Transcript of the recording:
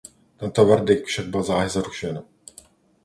Tento verdikt však byl záhy zrušen.